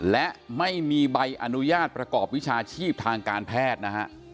และไม่มีใบอนุญาตประกอบวิชาชีพทางการแพทย์นะฮะ